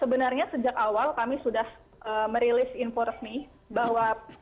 sebenarnya sejak awal kami sudah merilis info resmi bahwa